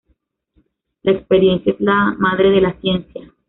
La experiencia es la madre de la ciencia